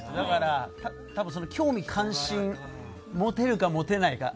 興味関心を持てるか持てないか。